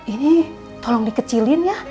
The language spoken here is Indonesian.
ini tolong dikecilin ya